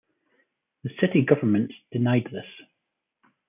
The city government denied this.